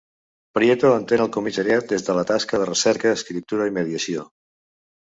Prieto entén el comissariat des de la tasca de recerca, escriptura i mediació.